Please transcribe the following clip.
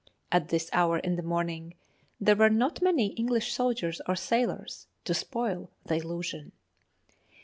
At this hour in the morning there were not many English soldiers or sailors to spoil the illusion.